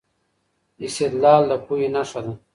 استدلال د پوهي نښه ده.